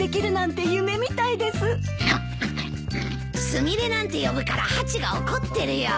スミレなんて呼ぶからハチが怒ってるよ。